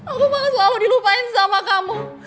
aku banget selalu dilupain sama kamu